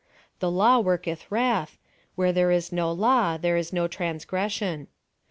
« The law worke^h wrath, — where there is no law, there is no transgression."